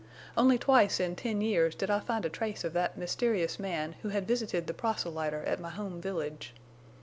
Only twice in ten years did I find a trace of that mysterious man who had visited the proselyter at my home village.